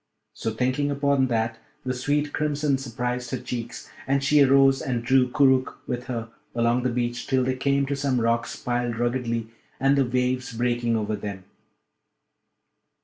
So, thinking upon that, the sweet crimson surprised her cheeks, and she arose and drew Koorookh with her along the beach till they came to some rocks piled ruggedly and the waves breaking over them.